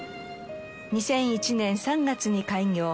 ２００１年３月に開業。